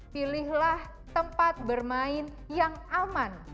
pilihlah tempat bermain yang aman